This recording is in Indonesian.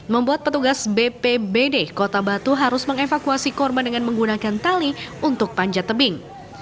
membuat petugas bpbd kota batu harus mengevakuasi korban dengan menggunakan tali untuk panjat tebing